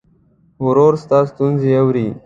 ورور ستا ستونزې اوري.